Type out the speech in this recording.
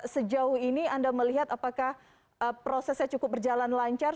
sejauh ini anda melihat apakah prosesnya cukup berjalan lancar